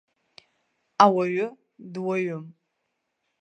Ауаҩы дуаҩым.